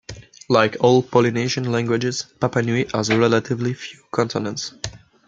Like all Polynesian languages, Rapa Nui has relatively few consonants.